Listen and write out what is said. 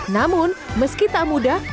namun meski tak mudah